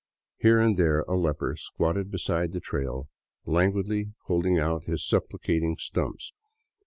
Here and there a leper, squatted beside the trail, languidly held out his supplicating stumps.